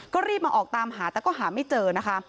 ก็รีบมาออกตามหาแต่ก็หาไม่เจอนะคะ